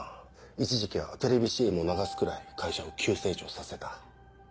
一時期はテレビＣＭを流すくらい会社を急成長させた。